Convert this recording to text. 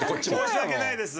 申し訳ないです。